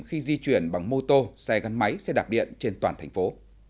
khi di chuyển bằng mô tô xe gắn máy xe đạp điện trên toàn thành phố